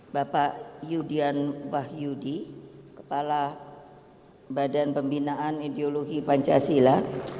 bapak yudian wahyudi kepala badan pembinaan ideologi pancasila